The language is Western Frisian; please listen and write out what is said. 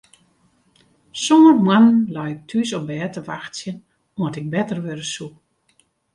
Sân moannen lei ik thús op bêd te wachtsjen oant ik better wurde soe.